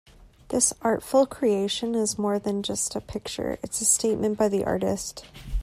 This artful creation is more than just a picture, it's a statement by the artist.